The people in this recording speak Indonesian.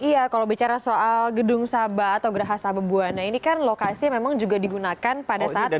iya kalau bicara soal gedung sabah atau geraha sabah buwana ini kan lokasi memang juga digunakan pada saat pernikahan